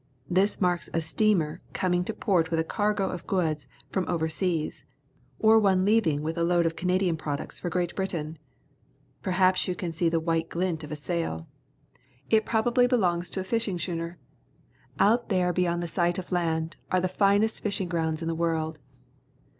This marks a steamer com ing to port with a cargo of goods from over seas, or one leaving with a load of Canadian products for Great Britain. Perhaps you can see the white glint of a sail. It probably 8 PUBLIC SCHOOL GEOGRAPHY belongs to a fishing schooner. Out there, beyond sight of land, are the finest fishing grounds in the world.